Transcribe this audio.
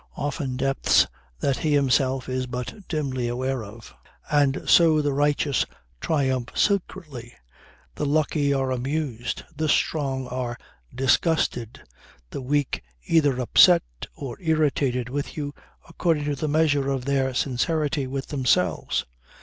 Often depths that he himself is but dimly aware of. And so the righteous triumph secretly, the lucky are amused, the strong are disgusted, the weak either upset or irritated with you according to the measure of their sincerity with themselves.